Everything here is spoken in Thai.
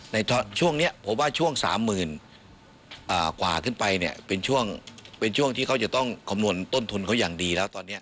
ในช่วงนี้ผมว่าช่วง๓๐๐๐กว่าขึ้นไปเนี่ยเป็นช่วงเป็นช่วงที่เขาจะต้องคำนวณต้นทุนเขาอย่างดีแล้วตอนนี้